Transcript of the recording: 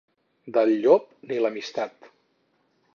Del llop, ni l'amistat.